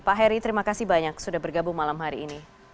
pak heri terima kasih banyak sudah bergabung malam hari ini